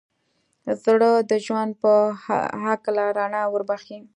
زړه د ژوند په هکله رڼا وربښي.